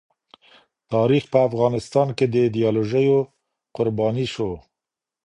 تاریخ په افغانستان کې د ایډیالوژیو قرباني سو.